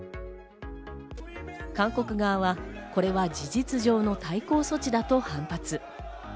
韓国側はこれは事実上の対抗措置だと反発。